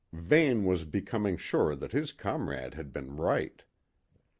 Vane was becoming sure that his comrade had been right.